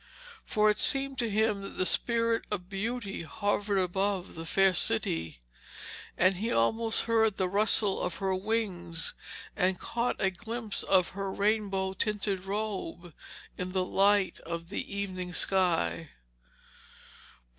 For it seemed to him that the Spirit of Beauty hovered above the fair city, and he almost heard the rustle of her wings and caught a glimpse of her rainbow tinted robe in the light of the evening sky.